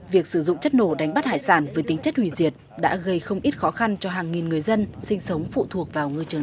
việc sử dụng chất nổ đánh bắt hải sản với tính chất hủy diệt đã gây không ít khó khăn cho hàng nghìn người dân sinh sống phụ thuộc vào nguồn lợi tự sáng